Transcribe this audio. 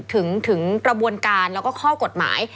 ถึงกระบวนการแล้วก็ข้อกฎหมาย